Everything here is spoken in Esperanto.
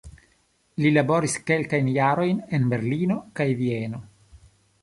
Li laboris kelkajn jarojn en Berlino kaj Vieno.